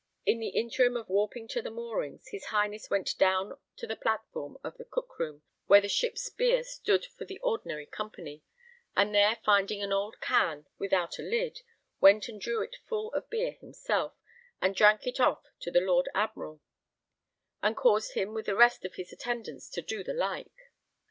In the interim of warping to the moorings, his Highness went down to the platform of the cook room where the ship's beer stood for the ordinary company, and there finding an old can without a lid, went and drew it full of beer himself, and drank it off to the Lord Admiral, and caused him with the rest of his attendants to do the like.